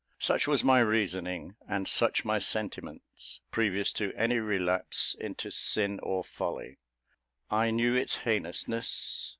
Such was my reasoning, and such my sentiments, previous to any relapse into sin or folly. I knew its heinousness.